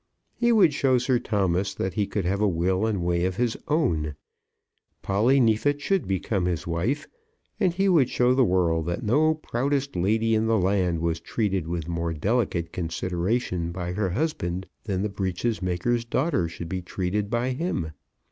He would show Sir Thomas that he could have a will and a way of his own. Polly Neefit should become his wife; and he would show the world that no proudest lady in the land was treated with more delicate consideration by her husband than the breeches maker's daughter should be treated by him.